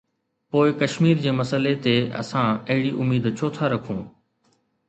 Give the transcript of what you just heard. پوءِ ڪشمير جي مسئلي تي اسان اهڙي اميد ڇو ٿا رکون؟